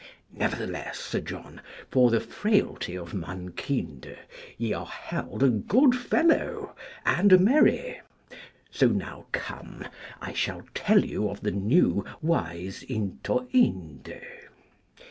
Nevertheless, Sir John, for the frailty of Mankynde, ye are held a good fellow, and a merry; so now, come, I shall tell you of the new ways into Ynde.